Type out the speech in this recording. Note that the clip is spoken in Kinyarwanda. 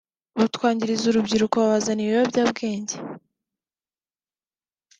batwangiriza urubyiruko babazanira ibiyobyabwenge